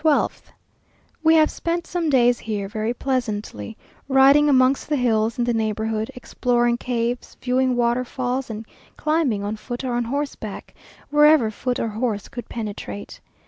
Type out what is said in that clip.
12th. We have spent some days here very pleasantly; riding amongst the hills in the neighbourhood, exploring caves, viewing waterfalls, and climbing on foot or on horseback, wherever foot or horse could penetrate.